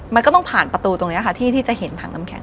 มันก็ต้องผ่านประตูตรงนี้ค่ะที่จะเห็นถังน้ำแข